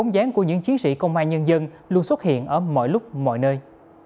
dân luôn xuất hiện ở mọi lúc mọi nơi